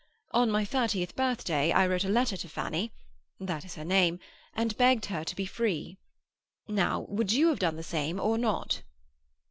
On my thirtieth birthday I wrote a letter to Fanny—that is her name—and begged her to be free. Now, would you have done the same, or not?"